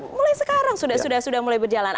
mulai sekarang sudah mulai berjalan